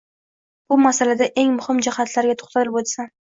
Bu masalada eng muhim jihatlarga to‘xtalib o‘tsam.